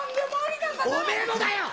おめえもだよ！